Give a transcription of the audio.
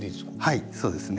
はいそうですね。